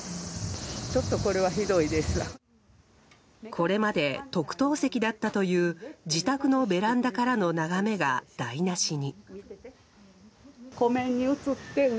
これまで特等席だったという自宅のベランダからの眺めが台なしに。